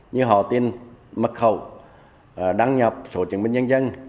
như họ tin mật khẩu đăng nhập số chứng minh nhân dân